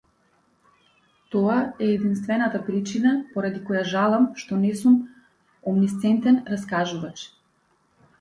Тоа е единствената причина поради која жалам што не сум омнисцентен раскажувач.